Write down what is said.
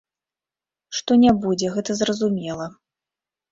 Што не будзе, гэта зразумела.